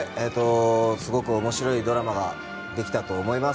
すごく面白いドラマができたと思います。